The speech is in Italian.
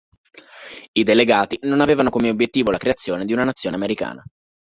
I delegati non avevano come obiettivo la creazione di una nazione americana.